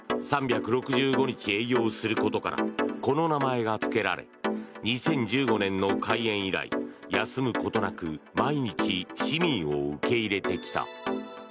３６５日営業することからこの名前がつけられ２０１５年の開園以来休むことなく毎日市民を受け入れてきた。